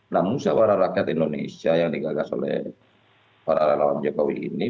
namun seorang rakyat indonesia yang digagas oleh para rakyat jokowi ini